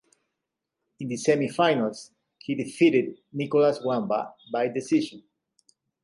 In the semifinals he defeated Nicolas Wamba by decision.